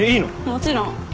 もちろん。